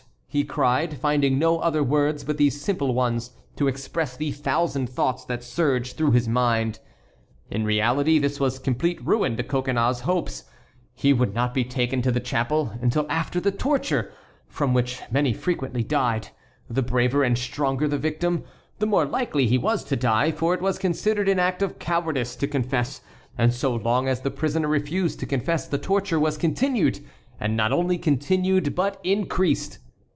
he cried, finding no other words but these simple ones to express the thousand thoughts that surged through his mind. In reality this was complete ruin to Coconnas' hopes. He would not be taken to the chapel until after the torture, from which many frequently died. The braver and stronger the victim, the more likely he was to die, for it was considered an act of cowardice to confess; and so long as the prisoner refused to confess the torture was continued, and not only continued, but increased.